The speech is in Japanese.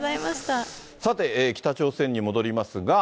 さて、北朝鮮に戻りますが。